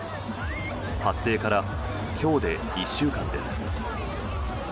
発生から今日で１週間です。